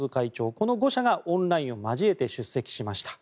この５者がオンラインを交えて出席しました。